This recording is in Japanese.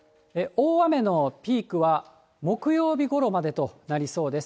大雨のピークは木曜日ごろまでとなりそうです。